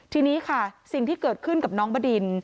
ทีนี้ค่ะสิ่งที่เกิดขึ้นกับน้องบดิน